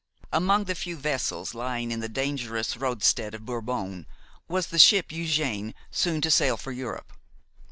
Among the few vessels lying in the dangerous roadstead of Bourbon was the ship Eugène, soon to sail for Europe.